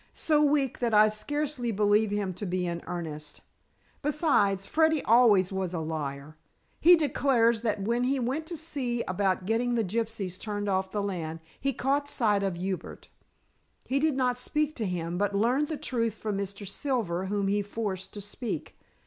"So weak that I scarcely believe him to be in earnest. Besides, Freddy always was a liar. He declares that when he went to see about getting the gypsies turned off the land, he caught sight of Hubert. He did not speak to him, but learned the truth from Mr. Silver, whom he forced to speak.